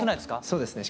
そうですね。